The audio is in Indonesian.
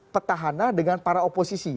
petahana dengan para oposisi